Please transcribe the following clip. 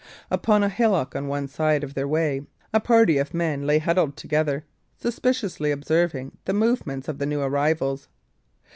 Upon a hillock on one side of their way a party of men lay huddled together, suspiciously observing the movements of the new arrivals.